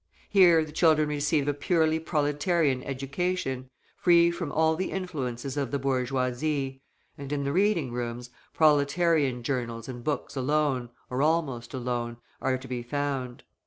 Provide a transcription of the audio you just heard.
Here the children receive a purely proletarian education, free from all the influences of the bourgeoisie; and, in the reading rooms, proletarian journals and books alone, or almost alone, are to be found.